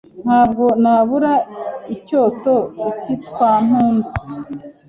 Nta bwo nabura icyoto i Cyitwampundu